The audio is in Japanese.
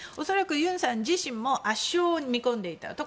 恐らく、ユンさん自身も圧勝を見込んでいた。